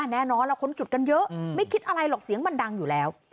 แน่นอนเราค้นจุดกันเยอะไม่คิดอะไรหรอกเสียงมันดังอยู่แล้ว